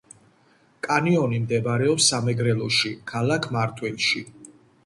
კანიონი მდებარეობს სამეგრელოში ქალაქ მარტვილში